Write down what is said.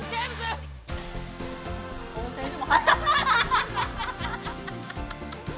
温泉でも。